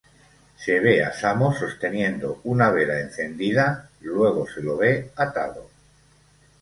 Se ve a Samo sosteniendo una vela encendida, luego se lo ve atado.